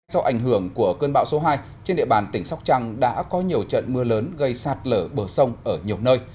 sau ảnh hưởng của cơn bão số hai trên địa bàn tỉnh sóc trăng đã có nhiều trận mưa lớn gây sạt lở bờ sông ở nhiều nơi